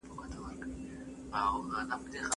د مالګې په کارولو کې اعتدال وساتئ.